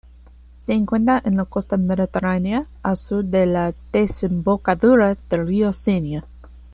Se encuentra en la costa mediterránea al sur de la desembocadura del río Cenia.